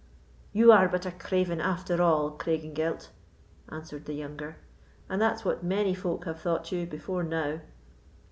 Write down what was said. "You are but a craven after all, Craigengelt," answered the younger, "and that's what many folk have thought you before now."